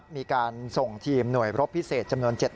มีการส่งทีมหน่วยรบพิเศษจำนวน๗คน